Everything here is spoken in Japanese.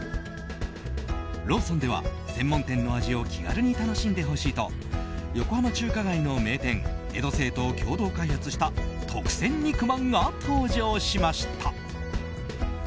ローソンでは、専門店の味を気軽に楽しんでほしいと横浜中華街の名店江戸清と共同開発した特撰肉まんが登場しました。